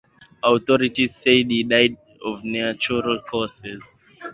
Authorities said he died of natural causes.